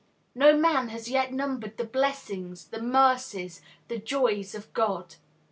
No man has yet numbered the blessings, the mercies, the joys of God.